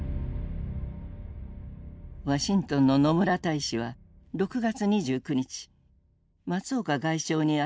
ワシントンの野村大使は６月２９日松岡外相に宛て打電した。